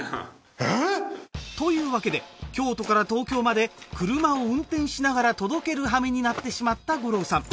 えぇ！というわけで京都から東京まで車を運転しながら届ける羽目になってしまった五郎さん。